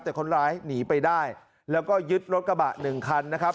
แต่คนร้ายหนีไปได้แล้วก็ยึดรถกระบะหนึ่งคันนะครับ